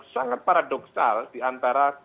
sangat paradoksal diantara